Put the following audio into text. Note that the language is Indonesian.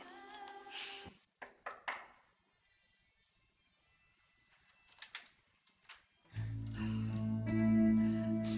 aku ngapapun deh kan demi karir